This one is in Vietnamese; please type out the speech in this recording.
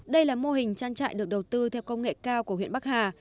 đây là mô hình trang trại được đầu tư theo công nghệ cao của huyện bắc hà